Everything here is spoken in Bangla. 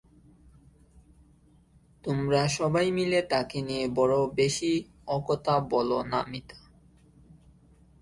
তোমরা সবাই মিলে তাকে নিয়ে বড়ো বেশি– ও কথা বোলো না মিতা।